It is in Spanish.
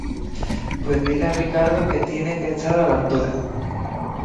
pues dile a Ricardo que tiene que estar a la altura